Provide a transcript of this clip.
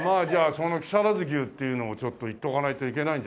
その木更津牛っていうのをちょっといっとかないといけないんじゃない？